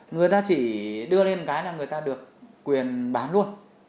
người ta chỉ đưa lên cái là người ta được quyền bán luôn